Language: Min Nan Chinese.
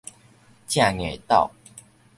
正硬鬥